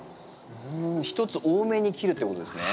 １つ多めに切るってことですね。